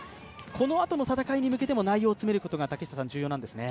このあとの戦いに向けても内容を詰めることが重要なんですね。